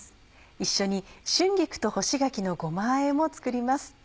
一緒に「春菊と干し柿のごまあえ」も作ります。